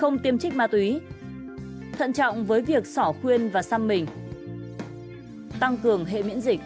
hãy đăng ký kênh để ủng hộ kênh của mình nhé